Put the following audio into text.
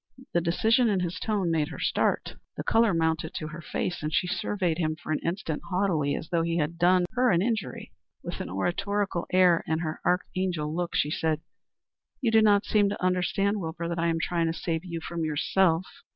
The decision in his tone made her start. The color mounted to her face, and she surveyed him for an instant haughtily, as though he had done her an injury. Then with an oratorical air and her archangel look, she said, "You do not seem to understand, Wilbur, that I am trying to save you from yourself."